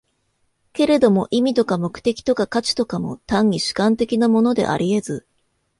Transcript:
けれども意味とか目的とか価値とかも、単に主観的なものであり得ず、